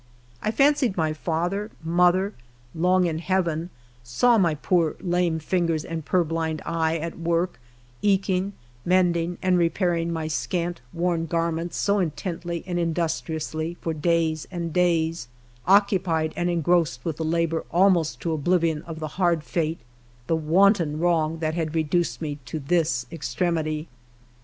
I fancied my father, mother, long in heaven, saw my poor, lame fingers and purblind eye, at work, ekeing, mending, and repairing my scant, worn garments, so intently and industriously for days and days, occupied and etigrossed with the labor almost to oblivion of the hard fate, the wanton wrong, that had reduced me to tliis extremity. lO HALF A DIME A DAY.